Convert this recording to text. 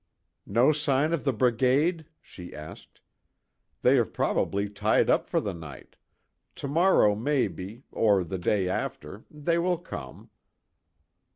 "No sign of the brigade?" she asked. "They have probably tied up for the night. Tomorrow maybe or the day after, they will come."